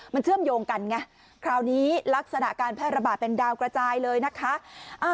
มันเชื่อมโยงกันไงคราวนี้ลักษณะการแพร่ระบาดเป็นดาวกระจายเลยนะคะ